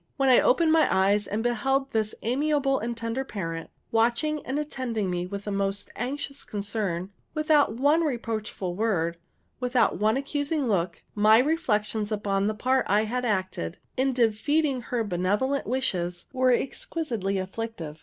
When I opened my eyes and beheld this amiable and tender parent watching and attending me with the most anxious concern, without one reproachful word, without one accusing look, my reflections upon the part I had acted, in defeating her benevolent wishes, were exquisitely afflictive.